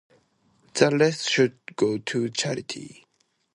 The rest should go to charity.